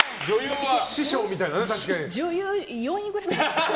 女優、４位ぐらい。